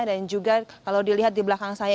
dan juga kalau dilihat di belakang saya